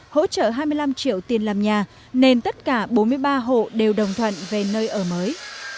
hỗ trợ hai mươi năm triệu tiền làm nhà nên tất cả bốn mươi ba hộ đều đồng thuận về nơi ở mới